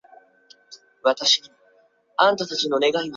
内在证据包括专利文件和任何的专利起诉历史。